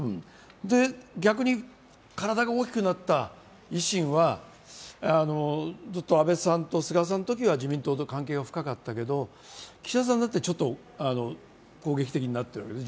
逆に体が大きくなった維新は、ずっと安倍さんと菅さんのときは自民党と関係が深かったけど岸田さんになって攻撃的になっているわけですね。